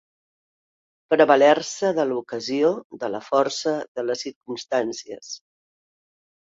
Prevaler-se de l'ocasió, de la força, de les circumstàncies.